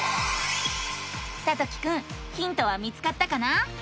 さときくんヒントは見つかったかな？